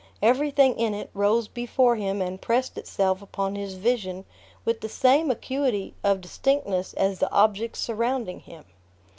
Everything in it rose before him and pressed itself upon his vision with the same acuity of distinctness as the objects surrounding him.